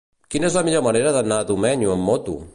Quina és la millor manera d'anar a Domenyo amb moto?